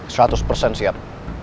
satus persen siap